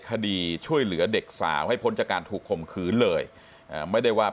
คดีช่วยเหลือเด็กสาวให้พ้นจากการถูกข่มขืนเลยไม่ได้ว่า